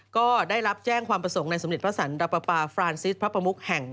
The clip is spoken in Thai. ก็ได้รับแจ้งความประสงค์ในสมเด็จพระสันดับปาฟรานซิสพระประมุกแห่ง